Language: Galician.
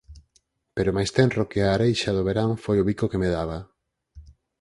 Pero máis tenro que a areixa do verán foi o bico que me daba.